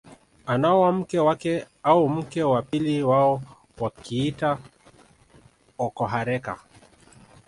Anaoa mke wake au mke wa pili wao wakiita okohareka